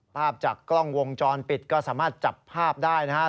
ภาพจากกล้องวงจรปิดก็สามารถจับภาพได้นะฮะ